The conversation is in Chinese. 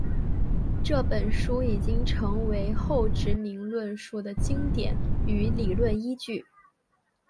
这本书已经成为后殖民论述的经典与理论依据。